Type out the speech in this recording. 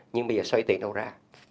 nhưng bây giờ xoay tiền đâu ra